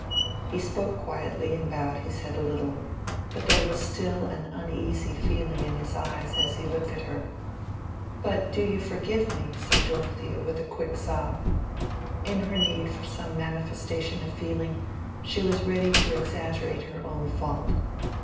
He spoke quietly and bowed his head a little, but there was still an uneasy feeling in his eyes as he looked at her. "But you do forgive me?" said Dorothea, with a quick sob. In her need for some manifestation of feeling she was ready to exaggerate her own fault.